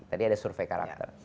tadi ada survei karakter